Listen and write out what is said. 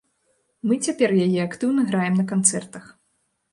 Мы цяпер яе актыўна граем на канцэртах.